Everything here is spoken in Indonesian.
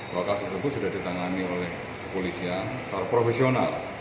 bahwa kasus tersebut sudah ditangani oleh kepolisian secara profesional